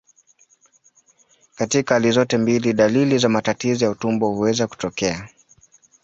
Katika hali zote mbili, dalili za matatizo ya utumbo huweza kutokea.